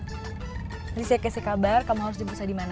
nanti saya kasih kabar kamu harus jemput saya di mana